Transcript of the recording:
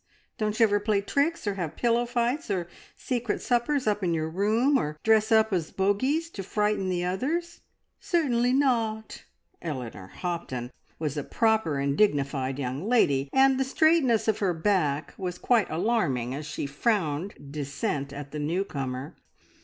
Don't you ever play tricks, or have pillow fights, or secret suppers up in your room, or dress up as bogeys to frighten the others?" "Certainly not!" Eleanor Hopton was a proper and dignified young lady, and the straightness of her back was quite alarming as she frowned dissent at the new comer.